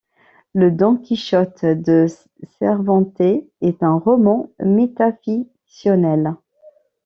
Le Don Quichotte de Cervantès est un roman métafictionnel.